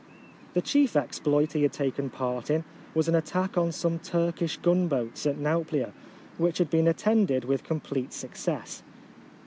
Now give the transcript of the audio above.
The chief exploit he had taken part in was an attack on some Turkish gunboats at Nauplia, which had been attended with com plete success.